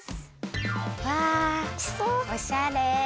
わあおしゃれ！